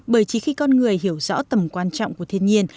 bởi chỉ khi con người hiểu rõ tầm quan trọng của thiên nhiên